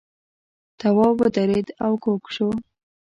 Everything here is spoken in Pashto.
تواب ودرېد او کوږ شو.